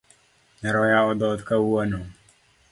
Nyaroya odhoth kawuono.